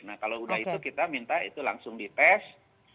nah kalau udah itu kita minta itu langsung dites